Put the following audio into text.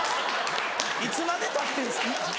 いつまで立ってんすか。